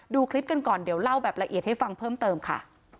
ดูคลิปกันก่อนเดี๋ยวเล่าแบบละเอียดให้ฟังเพิ่มเติมค่ะ